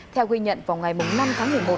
theo ghi nhận vào ngày năm tháng một mươi một